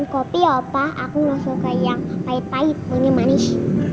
kopi ya opa aku gak suka yang pahit pahit punya manis